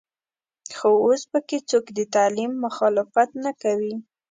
خو اوس په کې څوک د تعلیم مخالفت نه کوي.